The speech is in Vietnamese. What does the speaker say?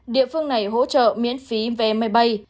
địa phương này hỗ trợ miễn phí vé máy bay